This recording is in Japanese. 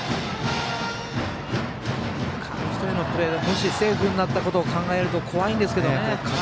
紙一重のプレーでセーフになったことを考えると怖いんですけどね。